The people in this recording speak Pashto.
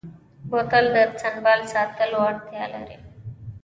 بوتل د سنبال ساتلو اړتیا لري.